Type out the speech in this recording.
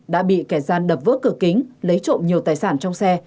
đã bị kẻ gian đập vỡ cửa kính lấy trộm nhiều tài sản trong xe